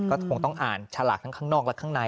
ก็คงต้องอ่านฉลากทั้งข้างนอกและข้างใน